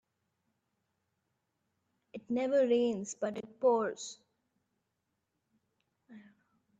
It never rains but it pours.